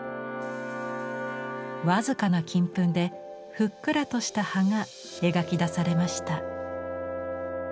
僅かな金粉でふっくらとした葉が描き出されました。